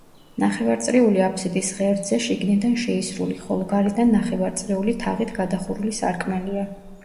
ნახევარწრიული აფსიდის ღერძზე შიგნიდან შეისრული, ხოლო გარედან ნახევარწრიული თაღით გადახურული სარკმელია.